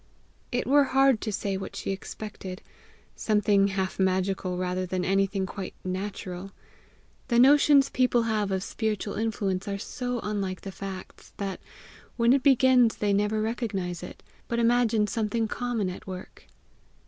It were hard to say what she expected something half magical rather than anything quite natural. The notions people have of spiritual influence are so unlike the facts, that, when it begins they never recognize it, but imagine something common at work.